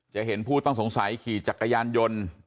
จะเห็นผู้ต้องสงสัยขี่จักรยานยนต์